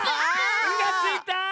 「ん」がついた！